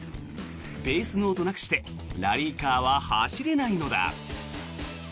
ペースノートなくしてラリーカーは走れないのだ。